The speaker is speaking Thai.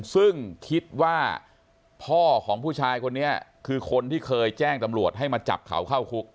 ซึ่งคิดว่าพ่อของผู้ชายคนนี้คือคนที่เคยแจ้งตำรวจให้มาจับเขาเข้าคุก